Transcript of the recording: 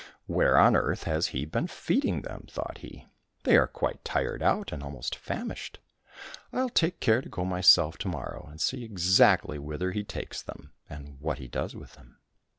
" Where on earth has he been feeding them ?" thought he ;'' they are quite tired out and almost famished ! I'll take care to go myself to morrow, and see exactly whither he takes them, and what he does with them."